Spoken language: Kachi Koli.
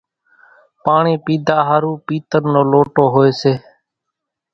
پاڻِي پيڌا ۿارُو پيتر نو لوٽو هوئيَ سي۔